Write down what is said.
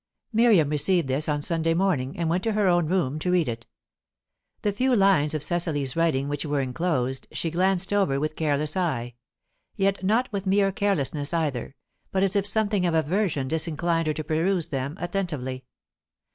Miriam received this on Sunday morning, and went to her own room to read it. The few lines of Cecily's writing which were enclosed, she glanced over with careless eye; yet not with mere carelessness either, but as if something of aversion disinclined her to peruse them attentively.